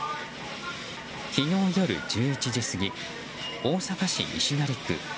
昨日夜１１時過ぎ、大阪市西成区。